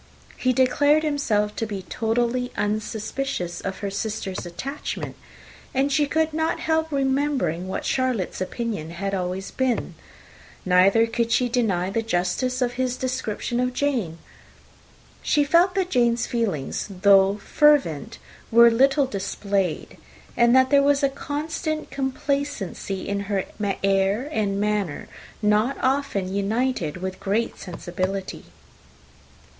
He declared himself to have been totally unsuspicious of her sister's attachment; and she could not help remembering what Charlotte's opinion had always been. Neither could she deny the justice of his description of Jane. She felt that Jane's feelings, though fervent, were little displayed, and that there was a constant complacency in her air and manner, not often united with great sensibility.